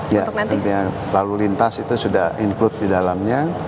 ya intinya lalu lintas itu sudah include di dalamnya